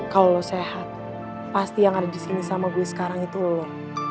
kalau lo sehat pasti yang ada di sini sama gue sekarang itu lo